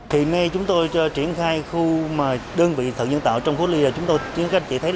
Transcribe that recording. hiện nay chúng tôi triển khai khu đơn vị thận nhân tạo trong khu cách ly